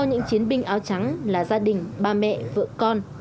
những chiến binh áo trắng là gia đình ba mẹ vợ con